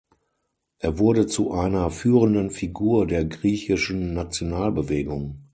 Er wurde zu einer führenden Figur der griechischen Nationalbewegung.